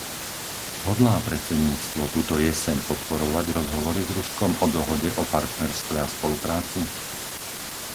Hodlá predsedníctvo túto jeseň podporovať rozhovory s Ruskom o dohode o partnerstve a spolupráci?